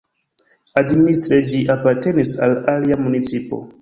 Administre ĝi apartenis al alia municipo.